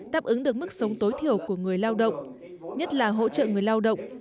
đáp ứng được mức sống tối thiểu của người lao động nhất là hỗ trợ người lao động